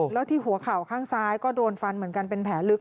แล้วที่หัวเข่าข้างซ้ายก็โดนฟันเหมือนกันเป็นแผลลึก